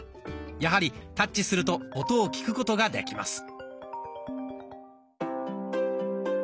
やはりタッチすると音を聞くことができます。